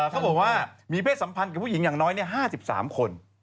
เขาบอกว่ามีเพศสัมพันธ์กับผู้หญิงอย่างน้อย๕๓คน